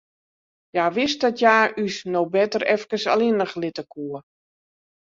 Hja wist dat hja ús no better efkes allinnich litte koe.